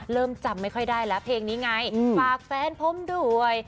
เริ่มจำไม่ค่อยได้แล้วเพลงนี้ไงฝากแฟนผมด้วย